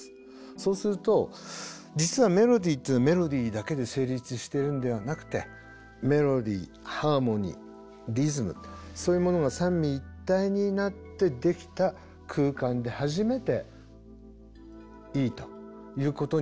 そうすると実はメロディーっていうのはメロディーだけで成立してるんではなくてメロディーハーモニーリズムそういうものが三位一体になってできた空間で初めていいということになるわけですね。